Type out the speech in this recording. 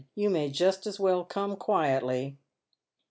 You may just as well come quietly."